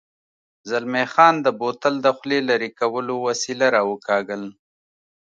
زلمی خان د بوتل د خولې لرې کولو وسیله را وکاږل.